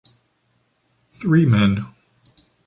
Three men.